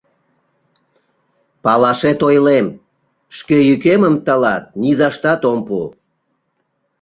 — Палашет ойлем: шке йӱкемым тылат низаштат ом пу.